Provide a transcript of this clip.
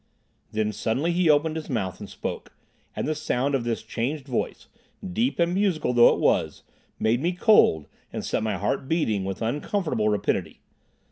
Then suddenly he opened his mouth and spoke, and the sound of this changed voice, deep and musical though it was, made me cold and set my heart beating with uncomfortable rapidity.